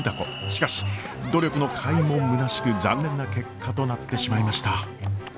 しかし努力のかいもむなしく残念な結果となってしまいました。